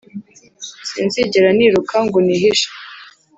sinzigera niruka ngo nihishe.